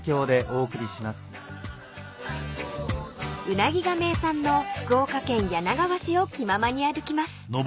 ［うなぎが名産の福岡県柳川市を気ままに歩きます］